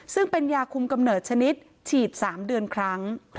ซึ่งเป็นยาคุมกำเนิดชนิดฉีด๓เดือนครั้ง